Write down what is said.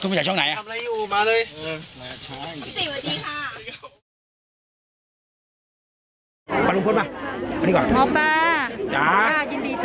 คุณมาจากช่องไหนน่ะทำอะไรอยู่มาเลยเออมาช้าอย่างงี้สวัสดีค่ะ